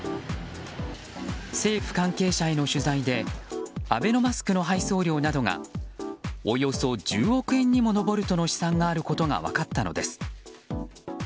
政府関係者への取材でアベノマスクの配送料などがおよそ１０億円にも上るとの試算があることが分かったのです。